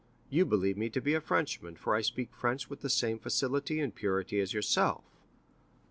You believe me to be a Frenchman, for I speak French with the same facility and purity as yourself.